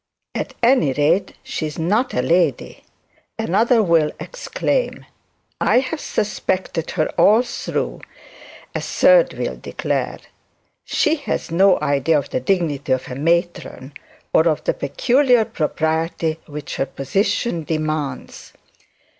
At any rate she is not a lady, another will exclaim. I have suspected her all through, a third will declare; and she has no idea of the dignity of a matron; or of the peculiar propriety which her position demands.